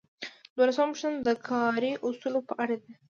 دولسمه پوښتنه د کاري اصولو په اړه ده.